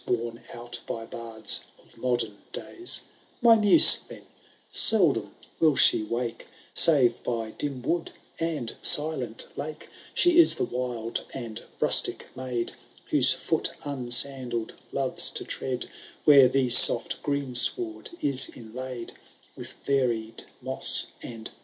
Worn out by bards of modem days,) My Muse, then — seldom will she wake, Save by dim wood and silent lake ; She is the wild and rustic Maid, Whose foot unsandall'd loves to tread Where the soft greensward is inhiid With varied moss and thyme ; 1 CMS.